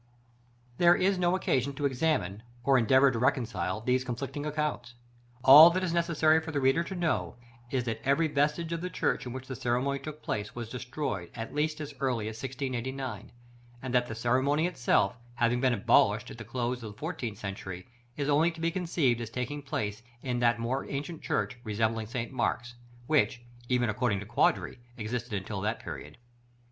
§ VI. There is no occasion to examine, or endeavor to reconcile, these conflicting accounts. All that is necessary for the reader to know is, that every vestige of the church in which the ceremony took place was destroyed at least as early as 1689; and that the ceremony itself, having been abolished in the close of the fourteenth century, is only to be conceived as taking place in that more ancient church, resembling St. Mark's, which, even according to Quadri, existed until that period.